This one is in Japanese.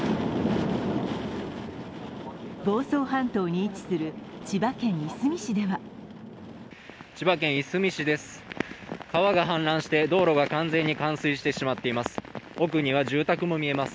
房総半島に位置する千葉県いすみ市では千葉県いすみ市です。